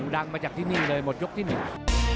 ดังมาจากที่นี่เลยหมดยกที่หนึ่ง